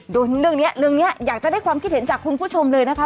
เรื่องนี้เรื่องนี้อยากจะได้ความคิดเห็นจากคุณผู้ชมเลยนะคะ